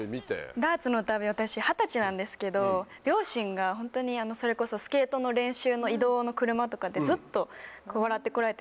ダーツの旅私二十歳なんですけど両親がホントにそれこそスケートの練習の移動の車とかでずっと『笑ってコラえて！』